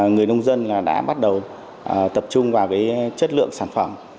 người nông dân đã bắt đầu tập trung vào chất lượng sản phẩm